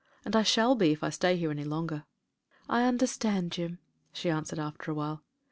And I shall be if I stay here any longer. ..." "I understand, Jim," she answered, after a while.